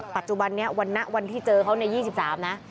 ปัจจุบันนี้วันที่เจอเขาใน๒๓นะ